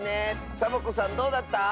サボ子さんどうだった？